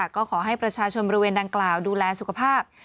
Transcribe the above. ก็ขอให้ประชาชนบริเวณดังกล่าวดูแลสุขภาพ